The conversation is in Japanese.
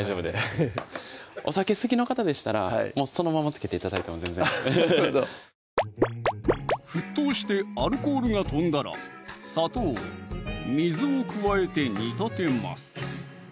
ハハハッお酒好きの方でしたらそのまま漬けて頂いても全然なるほど沸騰してアルコールが飛んだら砂糖・水を加えて煮立てます